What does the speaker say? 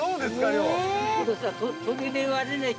量。